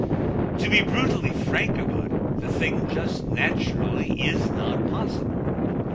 To be brutally frank about it, the thing just naturally is not possible.